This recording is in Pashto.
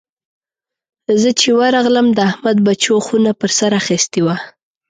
زه چې ورغلم؛ د احمد بچو خونه پر سر اخيستې وه.